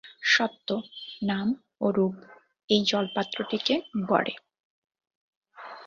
সত্ত্ব, নাম ও রূপ এই জলপাত্রটিকে গড়ে।